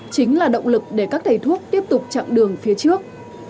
chính là động lực để các thầy thuốc tiếp tục chặng đường phía trước